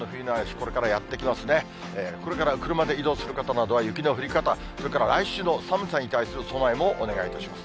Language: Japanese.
これから車で移動する方などは、雪の降り方、それから来週の寒さに対する備えもお願いいたします。